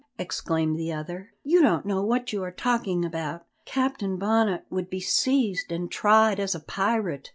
exclaimed the other, "you don't know what you are talking about! Captain Bonnet would be seized and tried as a pirate.